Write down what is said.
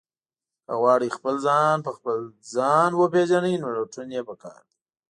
که غواړئ خپل ځان په خپل ځان وپېژنئ، نو لټون یې پکار دی.